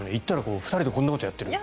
２人でこんなことをやってるって。